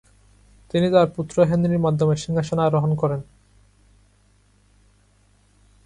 তিনি তার পুত্র হেনরির মাধ্যমে সিংহাসনে আরোহণ করেন।